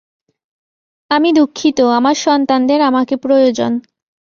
আমি দুঃখিত, আমার সন্তানদের আমাকে প্রয়োজন।